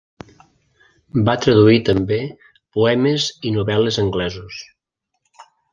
Va traduir també poemes i novel·les anglesos.